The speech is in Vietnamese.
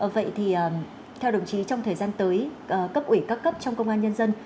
vậy thì theo đồng chí trong thời gian tới cấp ủy các cấp trong công an nhân dân